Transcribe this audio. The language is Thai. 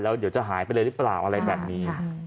แล้วเดี๋ยวจะหายไปเลยหรือเปล่าอะไรแบบนี้